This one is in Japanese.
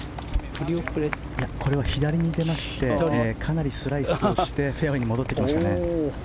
これは左に出ましてかなりスライスしてフェアウェーに戻ってきましたね。